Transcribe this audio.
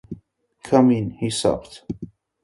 Come in!’ he sobbed.